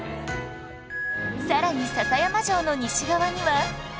さらに篠山城の西側には